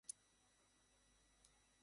কারন, আমরা এখানে আপনার বাড়ি ভাঙতে এসেছি।